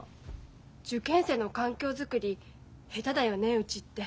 受験生の環境づくり下手だよねうちって。